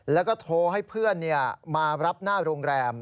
แล้วก็โทรให้เพื่อนมารับหน้าโรงแรม